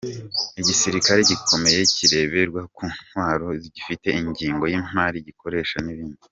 Igisirikare gikomeye kireberwa ku ntwaro gifite ingengo y’ imari gikoresha n’ ibindi.